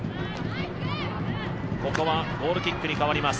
ここはゴールキックに変わります。